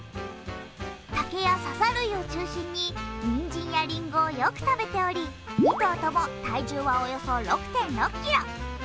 竹やささ塁を中心にりんごをよく食べており２頭とも体重はおよそ６．６ｋｇ。